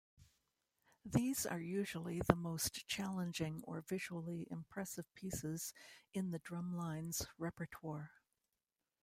These are usually the most challenging or visually impressive pieces in the drumline's repertoire.